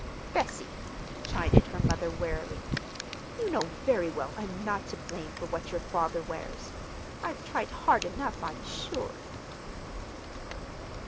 "Bessie!" chided her mother wearily. "You know very well I'm not to blame for what your father wears. I've tried hard enough, I'm sure!"